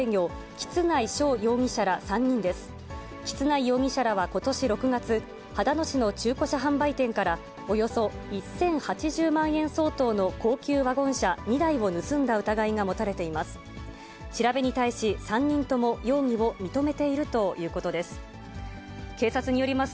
橘内容疑者らはことし６月、秦野市の中古車販売店からおよそ１０８０万円相当の高級ワゴン車２台を盗んだ疑いが持たれています。